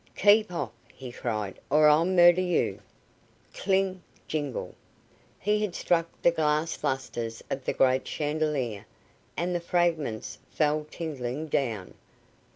"Keep off," he cried, "or I'll murder you." Cling! Jingle! He had struck the glass lustres of the great chandelier, and the fragments fell tinkling down.